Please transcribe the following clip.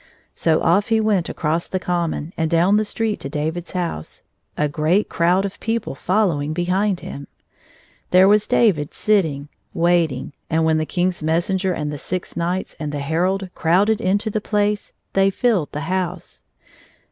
So off he went across the common, and down the street to David's house, a great crowd of peo ple following behind him. There was David sit ting, waiting, and when the King's messenger and the six knights and the herald crowded into the place, they filled the house.